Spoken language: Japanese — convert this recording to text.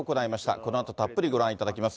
このあとたっぷりご覧いただきます。